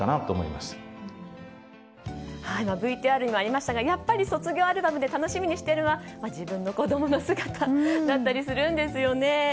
ＶＴＲにもありましたがやっぱり卒業アルバムで楽しみにしているのは自分の子供の姿だったりするんですよね。